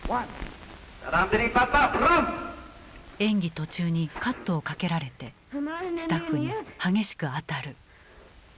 演技途中にカットをかけられてスタッフに激しく当たる。